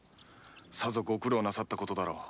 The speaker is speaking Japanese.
さぞ御苦労なさった事だろう。